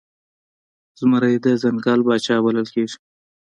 زمری د ځنګل پاچا بلل کیږي